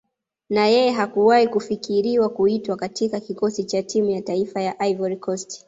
Na yeye hakuwahi kufikiriwa kuitwa katika Kikosi cha Timu ya Taifa ya Ivory Coast